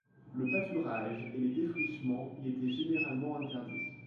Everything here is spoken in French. Le pâturage et les défrichements y étaient généralement interdits.